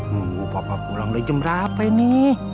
nunggu papa pulang udah jam berapa ini